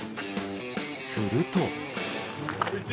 すると。